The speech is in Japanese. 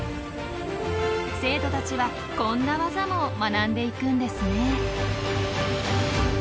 生徒たちはこんなワザも学んでいくんですね。